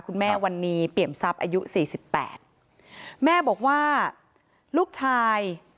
คุณแม่วันนี้เปี่ยมทรัพย์อายุสี่สิบแปดแม่บอกว่าลูกชาย